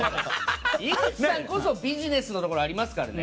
井口さんこそビジネスなところありますからね。